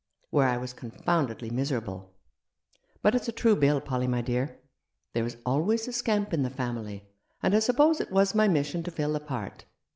"Where I was confoundedly miserable. But it's a true bill, Polly, my dear. There is always a scamp in the family, and I suppose it was my mission to fill the part.